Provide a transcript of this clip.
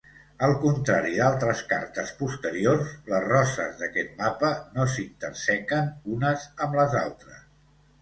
Al contrari d'altres cartes posteriors, les roses d'aquest mapa no s'intersequen unes amb les altres.